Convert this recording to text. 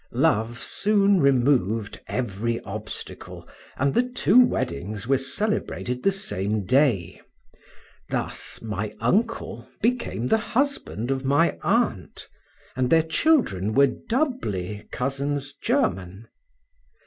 Love soon removed every obstacle, and the two weddings were celebrated the same day: thus my uncle became the husband of my aunt, and their children were doubly cousins german.